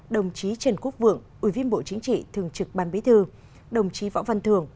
đồng chí trần quốc vượng ubnd thường trực ban bí thư đồng chí võ văn thường